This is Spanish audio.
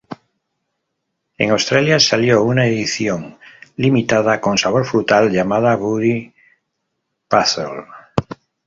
En Australia salió una edición limitada con sabor frutal llamada "Booty Patrol".